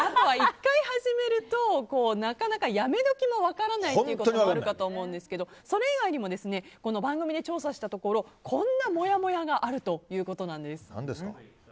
１回始めるとなかなかやめ時も分からないことはあると思いますがそれ以外にも番組で調査したところこんなもやもやがあるということなんです。